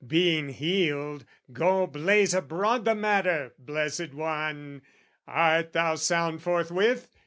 Being healed, Go blaze abroad the matter, blessed one! Art thou sound forthwith?